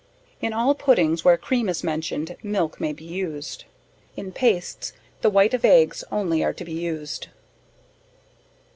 In all Puddings, where cream is mentioned, milk may be used. In pastes, the white of eggs only are to be used.